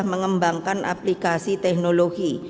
untuk mengembangkan aplikasi teknologi